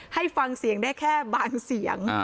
ให้ฟังเสียงได้แค่บางเสียง